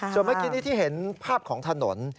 จนเมื่อกี้ที่เห็นภาพของถนน